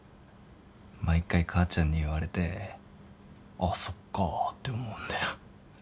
毎回母ちゃんに言われてあっそっかぁって思うんだよ。